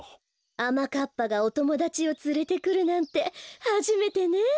あまかっぱがおともだちをつれてくるなんてはじめてね。